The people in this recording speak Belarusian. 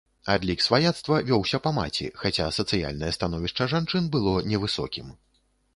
Адлік сваяцтва вёўся па маці, хаця сацыяльнае становішча жанчын было невысокім.